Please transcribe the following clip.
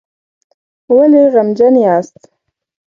ولې غمجن یاست؟